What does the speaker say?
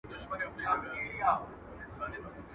کوز په ټوخي نه ورکېږي.